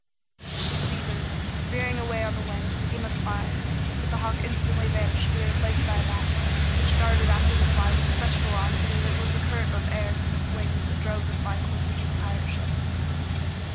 The sea bird, veering away on the wind, became a fly, but the hawk instantly vanished to be replaced by a bat, which darted after the fly with such velocity that it was the current of air from its wings that drove the fly closer to the pirate ship.